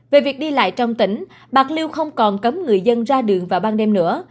về việc đi lại trong tỉnh bạc liêu không còn cấm người dân ra đường vào ban đêm nữa